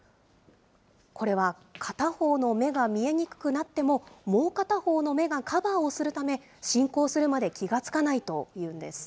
これは片方の目が見えにくくなっても、もう片方の目がカバーをするため、進行するまで気が付かないというんです。